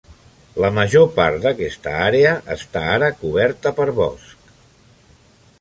La major part d"aquesta àrea està ara coberta per bosc.